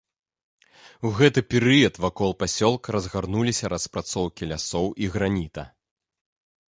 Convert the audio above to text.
У гэты перыяд вакол пасёлка разгарнуліся распрацоўкі лясоў і граніта.